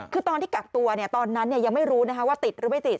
คือตอนที่กักตัวตอนนั้นยังไม่รู้ว่าติดหรือไม่ติด